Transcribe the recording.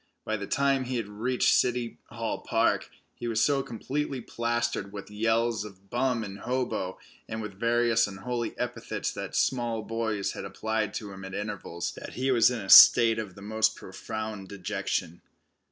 By the time he had reached City Hall Park he was so completely plastered with yells of "bum" and "hobo," and with various unholy epithets that small boys had applied to him at intervals, that he was in a state of the most profound dejection.